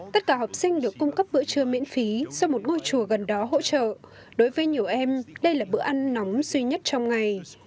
tất cả học sinh được cung cấp bữa trưa miễn phí do một ngôi chùa gần đó hỗ trợ đối với nhiều em đây là bữa ăn nóng duy nhất trong ngày